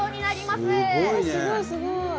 すごいすごい！